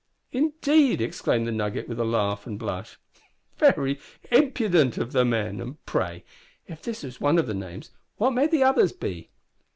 "Indeed!" exclaimed the Nugget with a laugh and blush; "very impudent of the men; and, pray, if this is one of the names, what may the others be?"